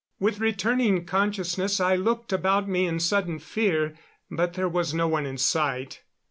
With returning consciousness I looked about me in sudden fear, but there was no one in sight.